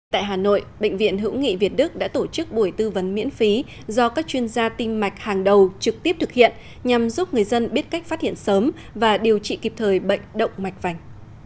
tại hà nội bệnh viện hữu nghị việt đức đã tổ chức buổi tư vấn miễn phí do các chuyên gia tim mạch hàng đầu trực tiếp thực hiện nhằm giúp người dân biết cách phát hiện sớm và điều trị kịp thời bệnh động mạch vành